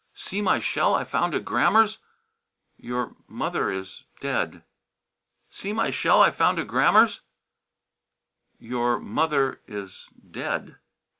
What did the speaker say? "See my shell I found at Grammer's!" "Your mother is dead." "See my shell I found at Grammer's!" "Your mother is dead."